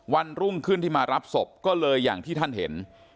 วันรุ่งขึ้นที่มารับศพก็เลยอย่างที่ท่านเห็น